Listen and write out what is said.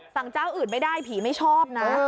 เจ้าอื่นไม่ได้ผีไม่ชอบนะ